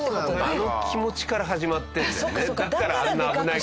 あの気持ちから始まってるんだね。